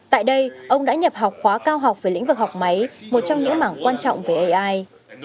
tại đây ông đã nhập học khóa cao học về lĩnh vực học máy một trong những mảng quan trọng về ai